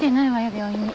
病院に。